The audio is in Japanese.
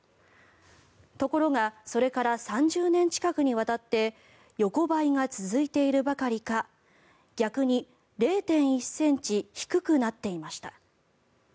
ところがそれから３０年近くにわたって横ばいが続いているばかりか逆に０．１ｃｍ低くなっていました。